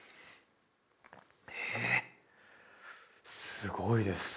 すごいです。